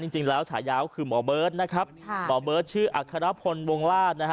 จริงแล้วฉายาวคือหมอเบิร์ตนะครับหมอเบิร์ตชื่ออัครพลวงราชนะฮะ